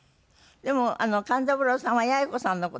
でも勘三郎さんは八重子さんの事も。